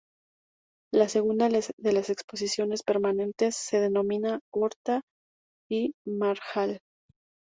La segunda de las exposiciones permanentes se denomina "Horta i Marjal".